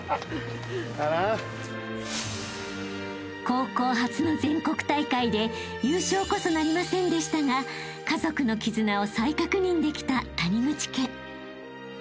［高校初の全国大会で優勝こそなりませんでしたが家族の絆を再確認できた谷口家］